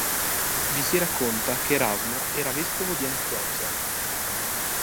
Vi si racconta che Erasmo era vescovo di Antiochia.